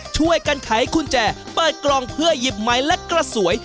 ช่วยกันไขกุญแจเปิดกล่องเพื่อหยิบไม้และกระสวย